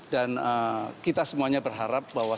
dan kita semuanya berharap bahwa